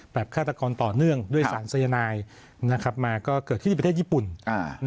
ฆาตกรต่อเนื่องด้วยสารสายนายมาก็เกิดที่ประเทศญี่ปุ่น